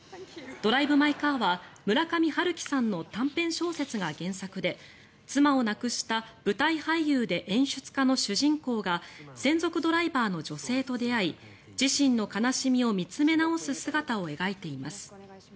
「ドライブ・マイ・カー」は村上春樹さんの短編小説が原作で妻を亡くした舞台俳優で演出家の主人公が専属ドライバーの女性と出会い自身の悲しみを見つめ直す姿を描いています。